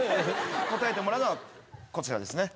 答えてもらうのはこちらですね。